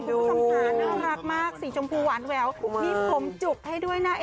คุณผู้ชมค่ะน่ารักมากสีชมพูหวานแววมีผมจุกให้ด้วยนะ